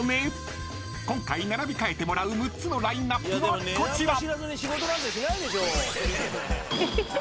［今回並び替えてもらう６つのラインアップはこちら］